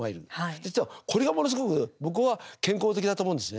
実はこれがものすごく僕は健康的だと思うんですね。